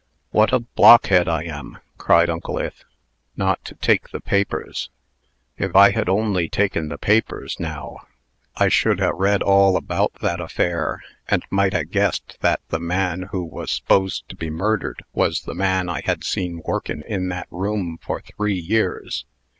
"What a blockhead I am," cried Uncle Ith, "not to take the papers! If I had only taken the papers, now, I should ha' read all about that affair, and might ha' guessed that the man who was s'posed to be murdered was the man I had seen workin' in that room for three years.